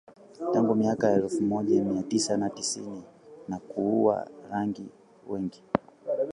Tangu miaka ya elfu moja mia tisa na tisini na kuua raia wengi.